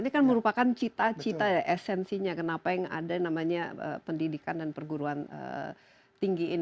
ini kan merupakan cita cita ya esensinya kenapa yang ada namanya pendidikan dan perguruan tinggi ini